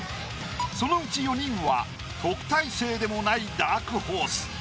そのうち４人は特待生でもないダークホース。